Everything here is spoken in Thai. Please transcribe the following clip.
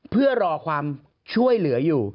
เพื่อรอความช่วยเหลืออยู่